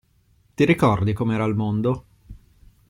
Ti ricordi com'era il mondo?